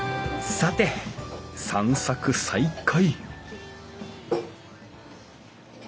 さて散策再開